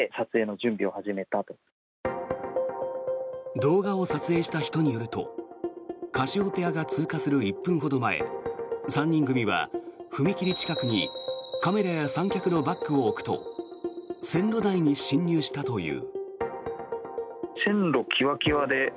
動画を撮影した人によるとカシオペアが通過する１分ほど前３人組は踏切近くにカメラや三脚のバッグを置くと線路内に侵入したという。